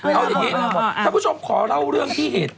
แต่ว่าถ้าคุณผู้ชมขอเล่าเรื่องที่เหตุเกิด